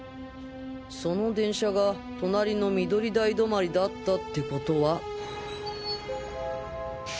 その電車が隣の緑台止まりだったってことは。